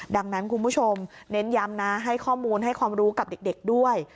ดังนั้นคุณผู้ชมเน้นย้ำนะให้ข้อมูลให้ความรู้กับเด็กด้วย